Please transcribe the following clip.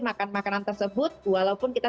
makan makanan tersebut walaupun kita